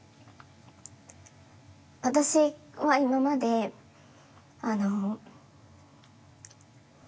私は今まであの。